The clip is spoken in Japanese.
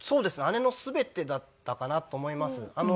姉の全てだったかなと思います。